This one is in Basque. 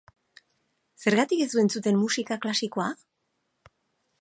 Zergatik ez du entzuten musika klasikoa?